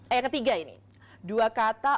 eh ketiga ini dua kata